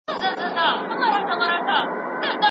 بد فکر تل ستونزي زياتوي